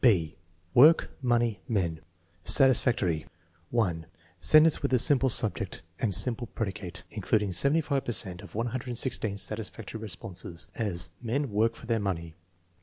(b) Work, money, Tnen Satisfactory: (1) Sentence with a simple subject and simple predicate (in cluding 75 per cent of 116 satisfactory responses) ; as: "Men work for their money."